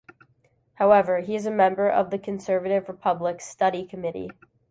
However, he is a member of the conservative Republican Study Committee.